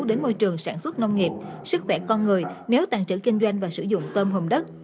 đến môi trường sản xuất nông nghiệp sức khỏe con người nếu tàn trữ kinh doanh và sử dụng tôm hùm đất